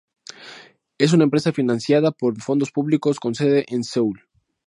Es una empresa financiada por fondos públicos, con sede en Seúl.